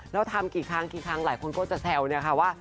แล้วทำกี่ครั้งกี่ครั้งหลายคนก็จะแซวเนี่ยค่ะว่า